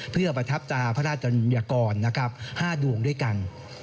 เพื่อประทับตาพระราชจัญญากร๕ดวงด้วยกัน